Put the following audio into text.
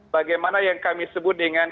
bagaimana yang kami sebut dengan